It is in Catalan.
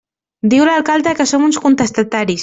Diu l'alcalde que som uns contestataris.